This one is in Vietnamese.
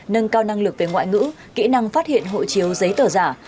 nâng cao năng lực về ngoại ngữ kỹ năng phát hiện hộ chiếu giấy tờ giả